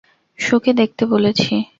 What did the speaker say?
শুঁকে দেখতে বলেছি।